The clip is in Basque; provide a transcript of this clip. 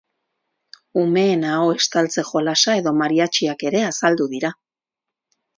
Umeen aho estaltze jolasa edo mariatxiak ere azaldu dira.